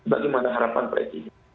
bagaimana harapan presiden